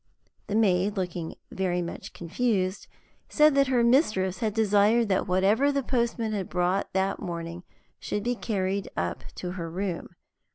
The maid, looking very much confused, said that her mistress had desired that whatever the postman had brought that morning should be carried up to her room.